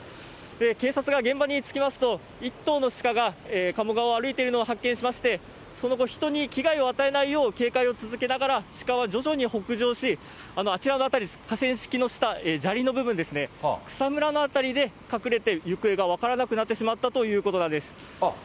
警察が現場に着きますと、１頭の鹿が鴨川を歩いているのを発見しまして、その後、人に危害を与えないよう警戒を続けながら、鹿は徐々に北上し、あちらの辺り、河川敷の下、砂利の部分ですね、草むらの辺りで隠れて、行方が分からなくなってしまったということなんです。